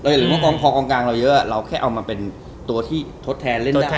หรือว่ากองพอกองกลางเราเยอะเราแค่เอามาเป็นตัวที่ทดแทนเล่นได้